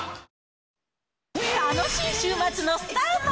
楽しい週末のスタート。